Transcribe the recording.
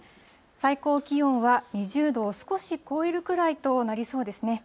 最高気温は２０度を少し超えるくらいとなりそうですね。